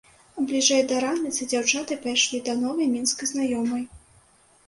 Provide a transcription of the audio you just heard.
Бліжэй да раніцы дзяўчаты пайшлі да новай мінскай знаёмай.